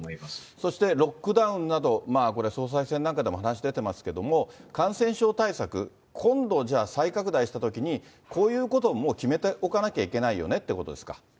そしてロックダウンなど、これ、総裁選なんかでも話出てますけれども、感染症対策、今度じゃあ再拡大したときに、こういうことをもう決めておかなきゃいけないよねということです